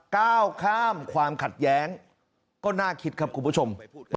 ก้าวข้ามความขัดแย้งก็น่าคิดครับคุณผู้ชม